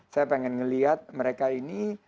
saya pengen melihat mereka ini